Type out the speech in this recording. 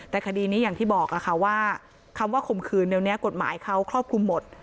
แต่คดีนี้อย่างที่บอกค่ะว่าคำว่าข่มขืนเดี๋ยวนี้กฎหมายเขาครอบคลุมหมด